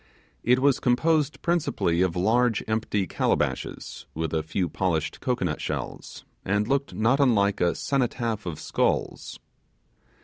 It was composed principally of large empty calabashes, with a few polished cocoanut shells, and looked not unlike a cenotaph of skulls.